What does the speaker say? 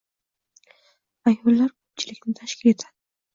Ayollar koʻpchilikni tashkil etadi